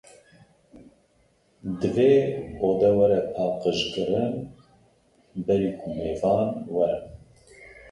Divê ode were paqij kirin, berî ku mêvan werin